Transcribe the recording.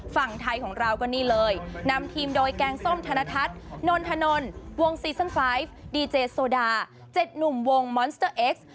ฝั่งไทยของเราก็นี่เลยนำทีมโดยแกงส้มธนทัศน์นนทนนวงซีซั่นไฟฟ์ดีเจโซดา๗หนุ่มวงมอนสเตอร์เอ็กซ์